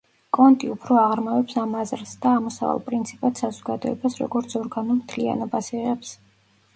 კონტი უფრო აღრმავებს ამ აზრს და ამოსავალ პრინციპად საზოგადოებას როგორც ორგანულ მთლიანობას იღებს.